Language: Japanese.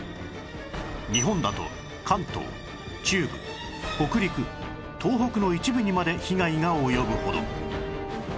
日本だと関東中部北陸東北の一部にまで被害が及ぶほど